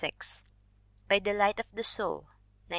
By the Light of the Soul, 1907.